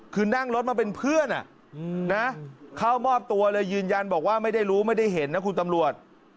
คือนั่งรถมาเป็นเพื่อนเข้ามอบตัวเลยยืนยันบอกว่าไม่ได้รู้ไม่ได้เห็นนะคุณตำรวจ